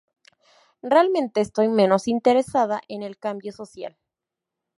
Realmente estoy menos interesada en el cambio social".